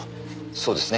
そうですね？